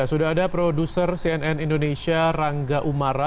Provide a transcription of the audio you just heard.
sudah ada produser cnn indonesia rangga umara